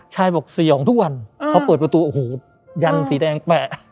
บอกสยองทุกวันพอเปิดประตูโอ้โหยันสีแดงแปะ